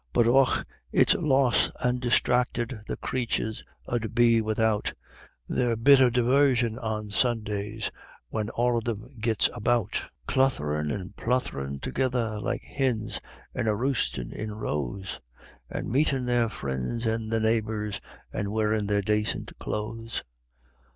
But, och, it's lost an' disthracted the crathurs 'ud be without Their bit of divarsion on Sundays whin all o' thim gits about, Cluth'rin' an' pluth'rin' together like hins, an' a roostin' in rows, An' meetin' their frins an' their neighbors, and wearin' their dacint clothes.